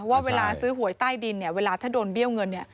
ว่าเวลาซื้อหวยใต้ดินเนี่ยเวลาถ้าโดนเบี้ยวเงิน